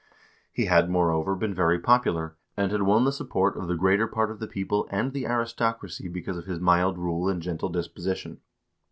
He had, moreover, been very popular, and had won the support of the greater part of the people and the aristocracy because of his mild rule and gentle disposition.